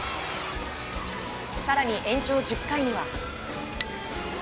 更に、延長１０回には。